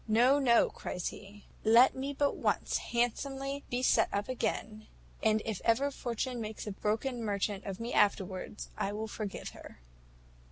`No, no,' cries he; `let me but once handsomely be set up again, and if ever Fortune makes a broken merchant of me afterwards, I will forgive her.'